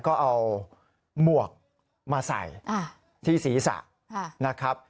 ก็เอาหมวกมาใส่ที่ศีรษะนะครับ